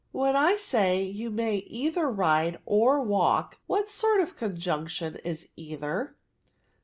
" When I say, * You may either ride or walk/ what sort of conjunction is either